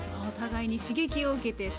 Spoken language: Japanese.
お互いに刺激を受けて。